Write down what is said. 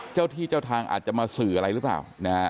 เจ้าที่เจ้าทางอาจจะมาสื่ออะไรหรือเปล่า